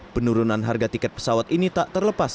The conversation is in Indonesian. penurunan harga tiket pesawat ini tak terlepas